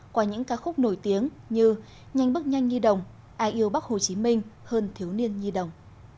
qua những ca khúc nổi tiếng như nhanh bước nhanh nhi đồng ai yêu bắc hồ chí minh hơn thiếu niên nhi đồng